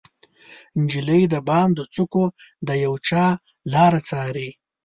نجلۍ د بام د څوکو د یوچا لاره څارې